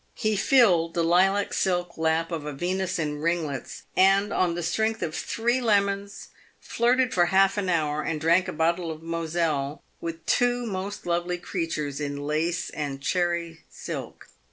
He filled the lilac silk lap of a Venus in ringlets, and on the strength of three lemons flirted for half an hour and drank a bottle of Moselle with two most lovely creatures in lace and cherry silk.